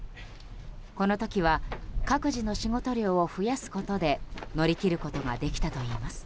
この時は各自の仕事量を増やすことで乗り切ることができたといいます。